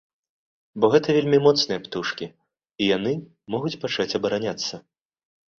Бо гэта вельмі моцныя птушкі, і яны могуць пачаць абараняцца.